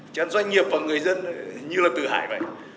chẳng doanh nghiệp và người dân như là tử hải vậy